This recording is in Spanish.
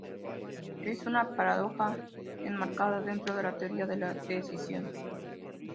Es una paradoja enmarcada dentro de la teoría de la decisión.